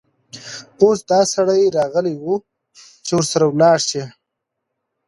اوس دا سړى راغلى وو، چې ورسره ولاړه شې.